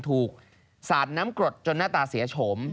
สาดน้ำกรดจนหน้าตาเสียโฉม